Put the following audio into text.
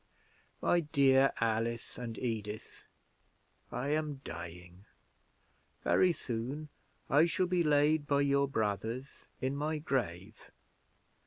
My dear Alice and Edith, I am dying; very soon I shall be laid by your brothers in my grave.